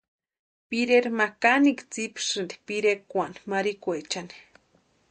Pireri ma kanikwa tsipesïnti pirekwani marikwaechani.